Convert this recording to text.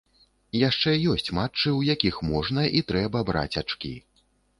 Яшчэ ёсць матчы, у якіх можна і трэба браць ачкі.